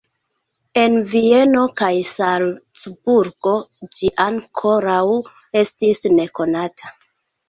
En Vieno kaj Salcburgo ĝi ankoraŭ estis nekonata.